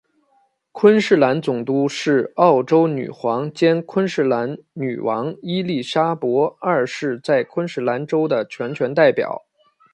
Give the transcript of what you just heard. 昆士兰总督是澳洲女皇兼昆士兰女王伊利沙伯二世在昆士兰州的全权代表。